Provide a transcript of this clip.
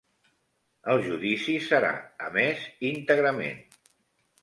El judici serà emès íntegrament